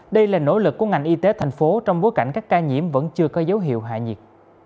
đây là nỗ lực của ngành y tế thành phố trong bối cảnh các ca nhiễm vẫn chưa có dấu hiệu hạ nhiệt